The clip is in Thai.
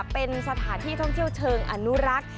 เป็นสถานที่ท่องเที่ยวเชิงอนุรักษ์